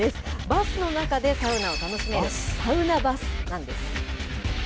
バスの中でサウナを楽しめる、サウナバスなんです。